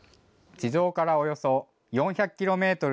地上からおよそ４００キロメートル